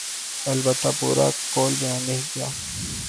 البتہ پورا قول بیان نہیں کیا۔